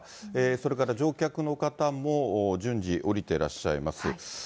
それから乗客の方も順次、降りてらっしゃいます。